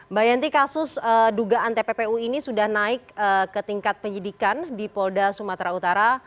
mbak yenti kasus dugaan tppu ini sudah naik ke tingkat penyidikan di polda sumatera utara